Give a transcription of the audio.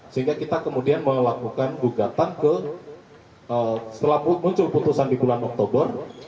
sehingga kita kemudian melakukan gugatan setelah muncul putusan di bulan oktober